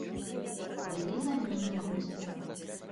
Былі і замежныя госці.